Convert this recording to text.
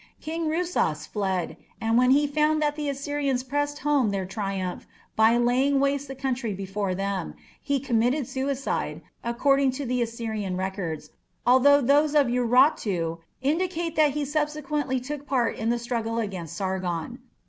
King Rusas fled, and when he found that the Assyrians pressed home their triumph by laying waste the country before them, he committed suicide, according to the Assyrian records, although those of Urartu indicate that he subsequently took part in the struggle against Sargon.